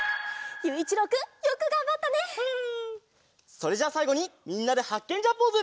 それじゃあさいごにみんなでハッケンジャーポーズ！